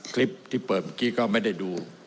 คลิปที่เปิดเมื่อกี้ก็ไม่ได้ดู